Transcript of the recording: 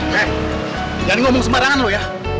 neng jangan ngomong sembarangan lu ya